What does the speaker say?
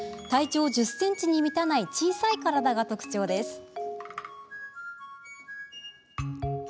体長１０ｃｍに満たない小さい体が特徴です。